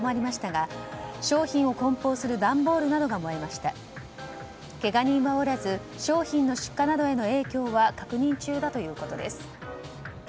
けが人はおらず商品の出荷などへの影響は確認中だということです。